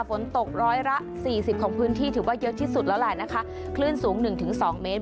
ฝนตกร้อยละสี่สิบของพื้นที่ถือว่าเยอะที่สุดแล้วแหละนะคะคลื่นสูงหนึ่งถึงสองเมตร